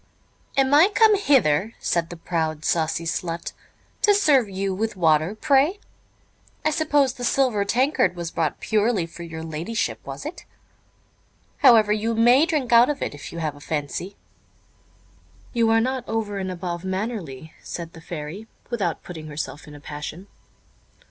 "Am I come hither," said the proud, saucy slut, "to serve you with water, pray? I suppose the silver tankard was brought purely for your ladyship, was it? However, you may drink out of it, if you have a fancy." "You are not over and above mannerly," answered the Fairy, without putting herself in a passion.